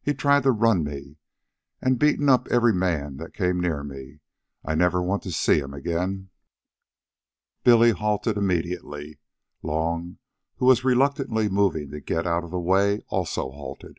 "He's tried to run me, and beaten up every man that came near me. I never want to see him again." Billy halted immediately. Long, who was reluctantly moving to get out of the way, also halted.